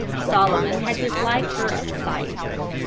Solomon had disliked her at sight.